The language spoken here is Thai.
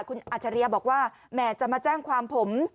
คุณอัจฉริยะบอกว่าแหมจะมาแจ้งความผม